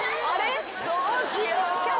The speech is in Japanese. どうしよう。